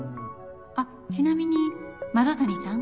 あっちなみにマド谷さん。